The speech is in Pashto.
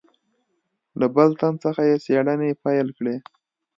له بل تن څخه یې څېړنې پیل کړې.